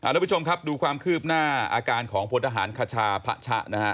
ด้วยความคืบหน้าอาการของพลทหารคชาพระชะ